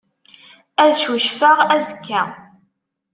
Ad cucfeɣ azekka.